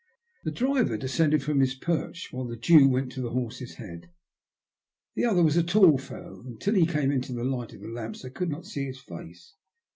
The driver descended from his perch, while the Jew went to the horse's head. The other was a tall fellow, and until he came into the light of the lamps I could not see his face.